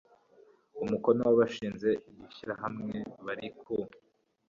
umukono Abashinze iri shyirahamwe bari ku